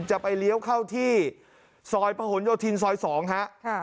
จะไปเลี้ยวเข้าที่ซอยประหลโยธินซอย๒ฮะ